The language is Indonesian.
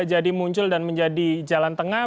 muncul dan menjadi jalan tengah